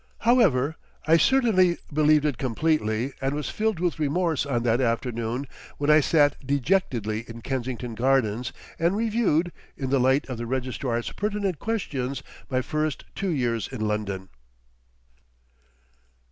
However, I certainly believed it completely and was filled with remorse on that afternoon when I sat dejectedly in Kensington Gardens and reviewed, in the light of the Registrar's pertinent questions my first two years in London.